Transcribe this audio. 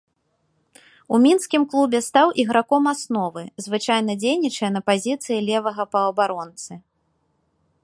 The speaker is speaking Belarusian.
У мінскім клубе стаў іграком асновы, звычайна дзейнічае на пазіцыі левага паўабаронцы.